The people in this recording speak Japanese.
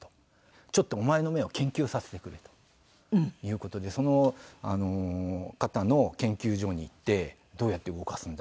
「ちょっとお前の目を研究させてくれ」という事でその方の研究所に行って「どうやって動かすんだ？」